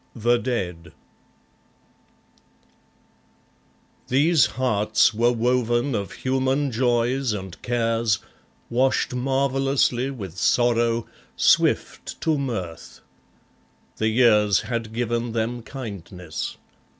The Dead These hearts were woven of human joys and cares, Washed marvellously with sorrow, swift to mirth. The years had given them kindness.